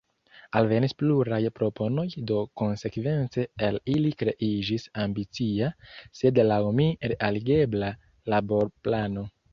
Alvenis pluraj proponoj, do konsekvence el ili kreiĝis ambicia, sed laŭ mi realigebla laborplano.